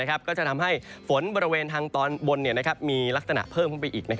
ก็จะทำให้ฝนบริเวณทางตอนบนมีลักษณะเพิ่มขึ้นไปอีก